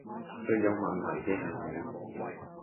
最有問題既係你